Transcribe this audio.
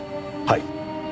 はい。